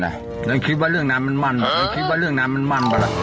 นั้นคิดว่าเรื่องน้ำมันมันนั้นคิดว่าเรื่องน้ำมันมันบ้างล่ะ